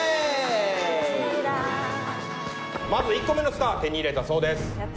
まず１個目のスター手に入れたそうです。